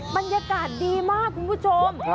บรรยากาศดีมากคุณผู้ชม